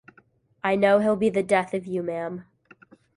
I know he’ll be the death of you, ma’am.